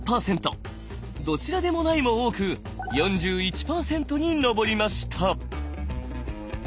「どちらでもない」も多く４１％に上りました。